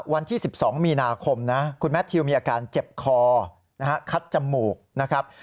วันที่๑๒มีนาคมนะคุณแมททิวมีอาการเจ็บคอนะฮะคัดจมูกนะครับ